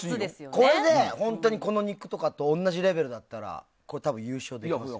これで本当に肉とかと同じレベルだったら多分、優勝できますよ。